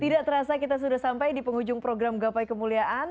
tidak terasa kita sudah sampai di penghujung program gapai kemuliaan